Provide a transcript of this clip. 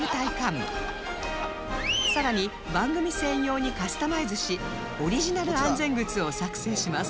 さらに番組専用にカスタマイズしオリジナル安全靴を作製します